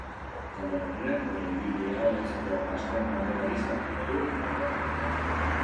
Talde gorriak bere ibilbidea hobetzeko azken aukera gisa hartuko du immunitate-jokoa.